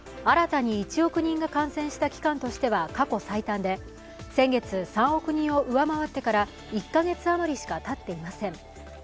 新たに１億人が感染した期間としては過去最短で先月、３億人を上回ってから１カ月余りしかたっていません。